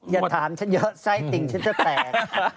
อย่าถามฉันเยอะไส้ติ่งฉันจะแตก